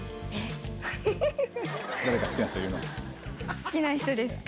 好きな人ですか。